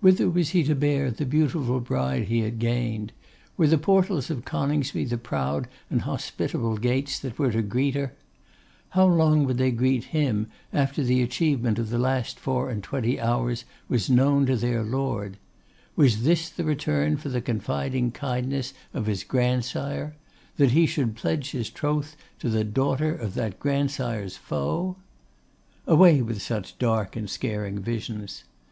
Whither was he to bear the beautiful bride he had gained? Were the portals of Coningsby the proud and hospitable gates that were to greet her? How long would they greet him after the achievement of the last four and twenty hours was known to their lord? Was this the return for the confiding kindness of his grandsire? That he should pledge his troth to the daughter of that grandsire's foe? Away with such dark and scaring visions!